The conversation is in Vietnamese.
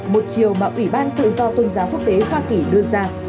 một chiều mà ủy ban tự do tôn giáo quốc tế hoa kỳ đưa ra